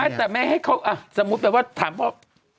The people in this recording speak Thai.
แต่แม่ให้เขาสมมุติแบบว่าถามพ่อ